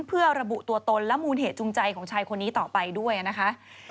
เพื่อระบุตัวตนและมูลเหตุจูงใจของชายคนนี้ต่อไปด้วยนะคะ